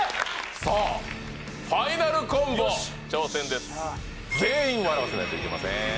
さあファイナルコンボ挑戦です全員笑わせないといけません